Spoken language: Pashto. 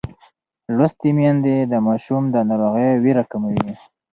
لوستې میندې د ماشوم د ناروغۍ وېره کموي.